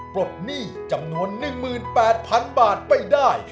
ปลดหนี้จำนวน๑๘๐๐๐บาทไปได้